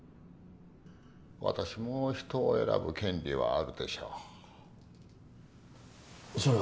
私も人を選ぶ権利はあるでしょう。